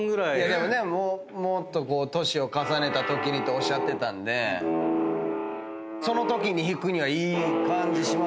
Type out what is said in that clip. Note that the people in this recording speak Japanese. もっと年を重ねたときにとおっしゃってたんでそのときに弾くにはいい感じしますけどね。